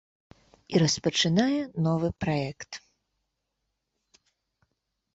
І распачынае новы праект.